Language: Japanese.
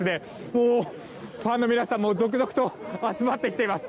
もう、ファンの皆さん続々と集まってきています。